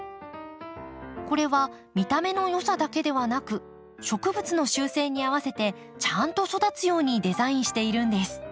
これは見た目のよさだけではなく植物の習性に合わせてちゃんと育つようにデザインしているんです。